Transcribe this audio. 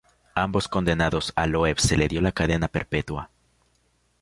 Ambos condenados -a Loeb se le dio cadena perpetua-.